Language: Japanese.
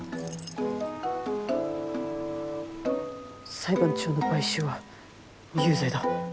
裁判長の買収は有罪だ。